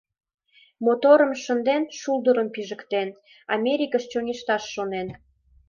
Моторым шынден, шулдырым пижыктен, Америкыш чоҥешташ шонен.